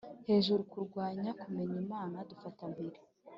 hejuru kurwanya kumenya Imana dufata mpiri